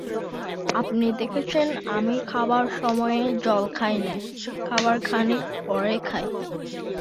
আপনি দেখেছেন আমি খাবার সময়ে জল খাই নে– খাবার খানিক পরে খাই।